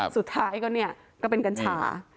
สุดท้ายก็เนี่ยก็เป็นกัญชา